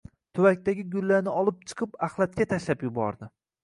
Tuvakdagi gullarni olib chiqib oxlatga tashlab yubordi.